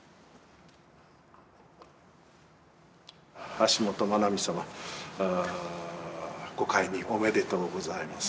橋本マナミ様ご懐妊おめでとうございます。